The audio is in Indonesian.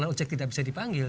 jadi ojek tidak bisa dipanggil